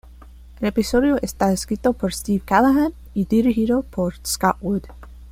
El episodio está escrito por Steve Callaghan y dirigido por Scott Wood.